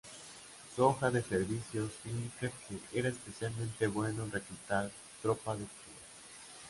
Su hoja de servicios indica que era especialmente bueno en reclutar "tropa de color".